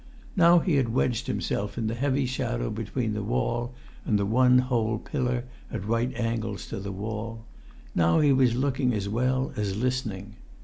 Now he had wedged himself in the heavy shadow between the wall and the one whole pillar at right angles to the wall; now he was looking as well as listening.